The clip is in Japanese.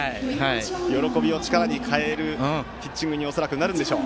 喜びを力に変えるピッチングになるでしょう。